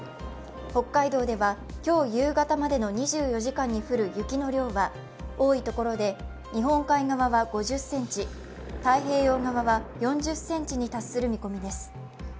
北海道では今日夕方までの２４時間に降る雪の量は多い所で日本海側は５０ｃｍ、太平洋側は４０ｃｍに達する見込みです。